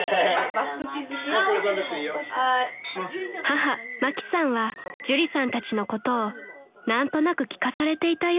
［母萬紀さんは朱里さんたちのことを何となく聞かされていたようです］